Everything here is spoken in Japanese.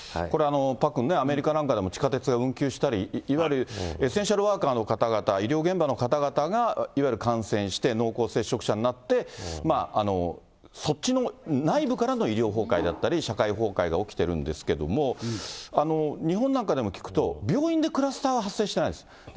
これ、パックンね、アメリカなんかでも、地下鉄が運休したり、いわゆるエッセンシャルワーカーの方々、医療現場の方々が、いわゆる感染して、濃厚接触者になって、そっちの内部からの医療崩壊だったり、社会崩壊が起きてるんですけれども、日本なんかでも聞くと、病院でクラスターは発生してないです。